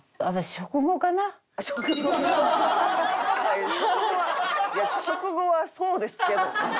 食後はいや食後はそうですけど。